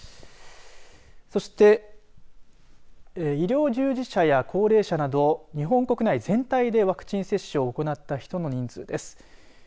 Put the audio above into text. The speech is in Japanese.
そして、医療従事者や高齢者など日本国内全体でワクチン接種を行った人の人数です。